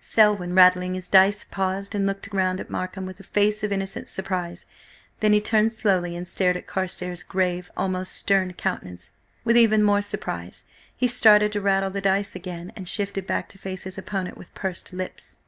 Selwyn, rattling his dice, paused, and looked round at Markham with a face of innocent surprise. Then he turned slowly and stared at Carstares' grave, almost stern countenance, with even more surprise. He started to rattle the dice again, and shifted back to face his opponent, with pursed lips.